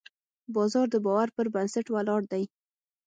بازار د باور پر بنسټ ولاړ دی.